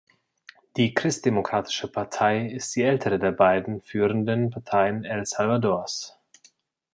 Die Christdemokratische Partei ist die ältere der beiden führenden Parteien El Salvadors.